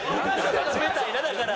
冷たいなだから。